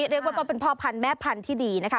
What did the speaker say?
เรียกว่าเป็นพ่อพันธุ์แม่พันธุ์ที่ดีนะคะ